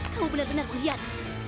kamu benar benar wajian